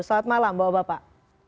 salam sejahtera bapak